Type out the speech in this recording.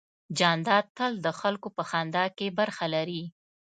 جانداد تل د خلکو په خندا کې برخه لري.